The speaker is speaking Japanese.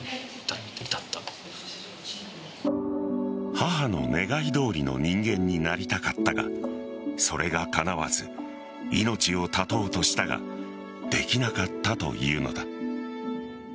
母の願いどおりの人間になりたかったがそれがかなわず命を絶とうとしたができなかったというのだ。